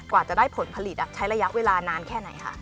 กว่าจะได้ผลผลิตใช้ระยะเวลานานแค่ไหนคะ